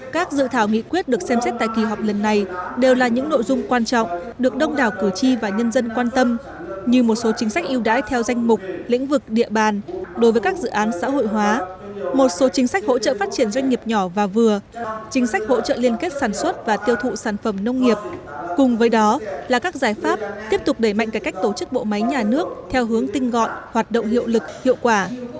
các dự thảo nghị quyết được xem xét tại kỳ họp lần này đều là những nội dung quan trọng được đông đảo cử tri và nhân dân quan tâm như một số chính sách yêu đái theo danh mục lĩnh vực địa bàn đối với các dự án xã hội hóa một số chính sách hỗ trợ phát triển doanh nghiệp nhỏ và vừa chính sách hỗ trợ liên kết sản xuất và tiêu thụ sản phẩm nông nghiệp cùng với đó là các giải pháp tiếp tục đẩy mạnh cái cách tổ chức bộ máy nhà nước theo hướng tinh gọn hoạt động hiệu lực hiệu quả